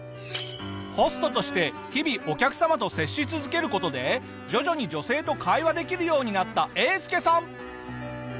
ホストとして日々お客様と接し続ける事で徐々に女性と会話できるようになったえーすけさん。